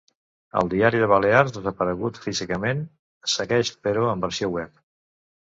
El Diari de Balears, desaparegut físicament, segueix, però, en versió web.